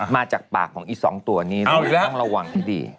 มาจากปากของอีก๒ตัวนี้ต้องระวังให้ดี